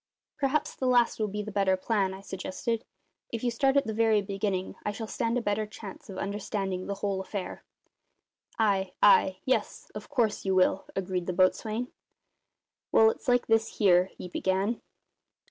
"Perhaps the last will be the better plan," I suggested. "If you start at the very beginning I shall stand a better chance of understanding the whole affair." "Ay, ay; yes, of course you will," agreed the boatswain. "Well, it's like this here," he began.